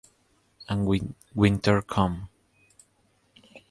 And Winter Came...